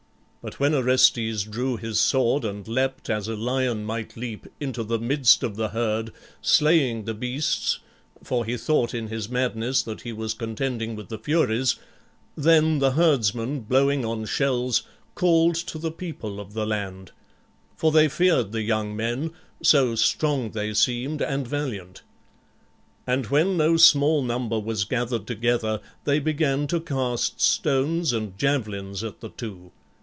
But when Orestes drew his sword and leapt, as a lion might leap, into the midst of the herd, slaying the beasts (for he thought in his madness that he was contending with the Furies), then the herdsmen, blowing on shells, called to the people of the land; for they feared the young men, so strong they seemed and valiant. And when no small number was gathered together, they began to cast stones and javelins at the two.